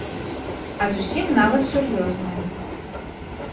А зусім нават сур'ёзная.